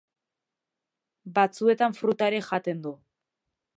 Batzuetan fruta ere jaten du.